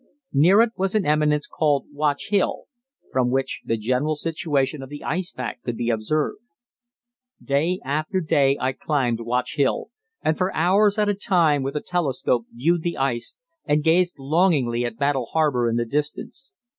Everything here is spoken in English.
Near it was an eminence called Watch Hill, from which the general situation of the ice pack could be observed. Day after day I climbed Watch Hill, and for hours at a time with a telescope viewed the ice and gazed longingly at Battle Harbour in the distance.